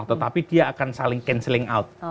tetapi dia akan saling cancelling out